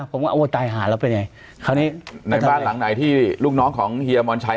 ผมก็โอ้ตายหาแล้วเป็นยังไงคราวนี้ในบ้านหลังไหนที่ลูกน้องของเฮียมอนชัย